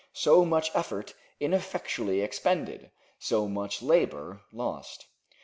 So much effort ineffectually expended, so much labor lost.